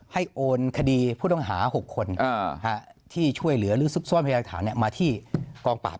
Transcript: โอนคดีผู้ต้องหา๖คนที่ช่วยเหลือหรือซุกซ่อนพยายามฐานมาที่กองปราบ